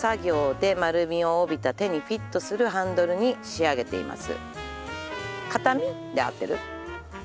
「丸みを帯びた手にフィットする」「ハンドルに仕上げています」